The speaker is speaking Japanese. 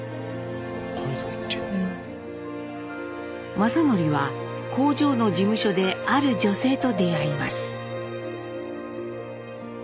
正順は工場の事務所である女性と出会います。